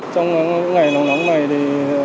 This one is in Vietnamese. trong những ngày nóng nóng này thì